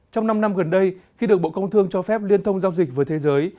trong năm năm gần đây khi được bộ công thương cho phép liên thông giao dịch với thế giới